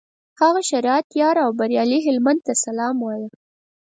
هغه شریعت یار او بریالي هلمند ته سلام وایه.